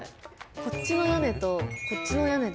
こっちのやねとこっちのやねで。